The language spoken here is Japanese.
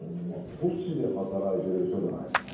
都市で働いてる人じゃないですかね。